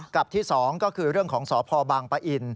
กับที่๒ก็คือเรื่องของสพบางปะอิน